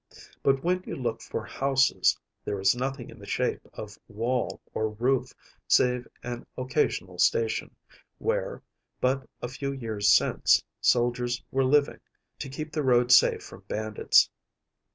But when you look for houses, there is nothing in the shape of wall or roof, save an occasional station, where, but a few years since, soldiers were living, to keep the road safe from bandits.